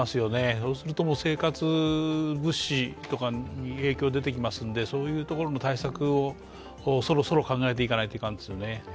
そうすると生活物資とかに影響が出てきますのでそういうところも対策もそろそろ考えていかないといけないですよね。